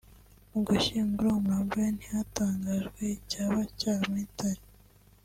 Mugushyingura umurambo we ntihatangajwe icyaba cyaramuhitanye